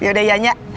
yaudah ya nya